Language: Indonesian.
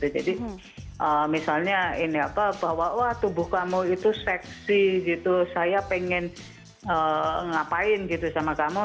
jadi misalnya bahwa tubuh kamu itu seksi saya pengen ngapain sama kamu